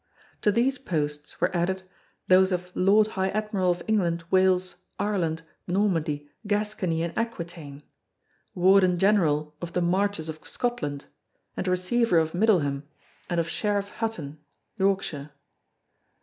To these posts were added those of Lord High Admiral of England, Wales, Ireland, Normandy, Gascony and Aquitaine; Warden General of the Marches of Scotland, and Receiver of Middleham and of Sheriff Hutton, Yorkshire.